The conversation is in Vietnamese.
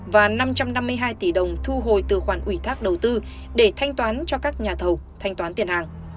và năm trăm năm mươi hai tỷ đồng thu hồi từ khoản ủy thác đầu tư để thanh toán cho các nhà thầu thanh toán tiền hàng